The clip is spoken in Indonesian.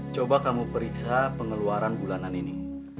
coba kamu periksa pengeluaran bulanan ini